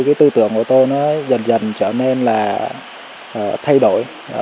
cái tư tưởng của tôi nó dần dần trở nên là thay đổi